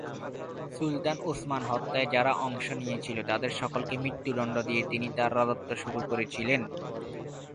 সুলতান Osman হত্যায় যারা অংশ নিয়েছিল তাদের সকলকে মৃত্যুদণ্ড দিয়ে তিনি তাঁর রাজত্ব শুরু করেছিলেন।